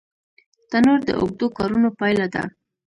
تنور د اوږدو کارونو پایله ده